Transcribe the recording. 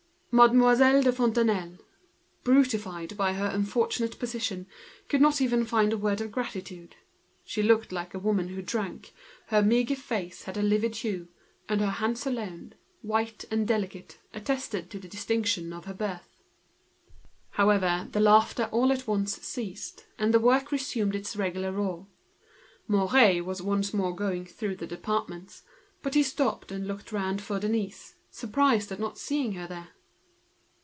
Mademoiselle de Fontenailles, dulled and stultified by her unfortunate position, could not even find a word of gratitude. She appeared to be a woman who drank, her thinness had a livid appearance, and her hands alone, white and delicate, attested the distinction of her birth. The laughter ceased all at once, and the work resumed its regular roar. It was Mouret who was once more going through the departments. But he stopped and looked round for Denise, surprised not to see her there.